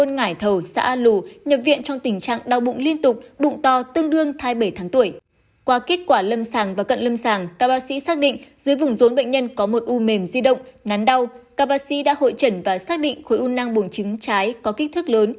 nắn đau ca bác sĩ đã hội trẩn và xác định khối u nang bùng trứng trái có kích thước lớn